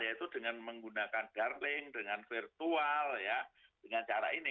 yaitu dengan menggunakan darling dengan virtual dengan cara ini